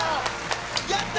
やった！